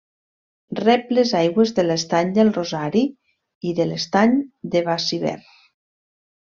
Rep les aigües de l'estany del Rosari i de l'estany de Baciver.